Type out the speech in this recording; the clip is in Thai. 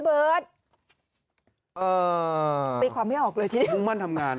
รุ้งมั่นทำงาน